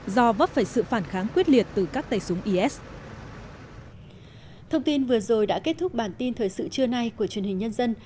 do vấp phải sự phản kháng quyết liệt từ các tay súng is